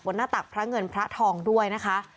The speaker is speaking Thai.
หน้าตักพระเงินพระทองด้วยนะคะ